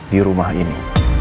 di rumah ini